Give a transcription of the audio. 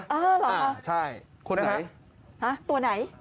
อ๋อเหรอครับคนไหนตัวไหน